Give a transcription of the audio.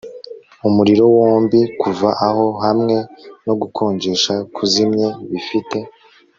Umuriro wombi kuva aho hamwe no gukonjesha kuzimye bifite